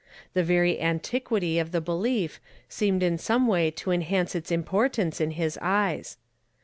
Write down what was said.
The very antiquity of the be lief seemed in some way to enhance its importance in his eyes.